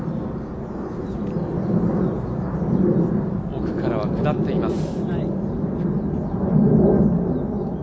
奥からは下っています。